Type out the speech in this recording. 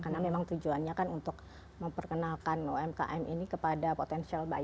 karena memang tujuannya kan untuk memperkenalkan umkm ini kepada potential budge